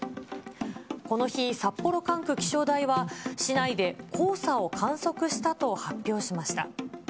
この日、札幌管区気象台は、市内で黄砂を観測したと発表しました。